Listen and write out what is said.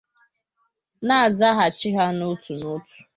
Na nzaghachi ha n'otu n'otu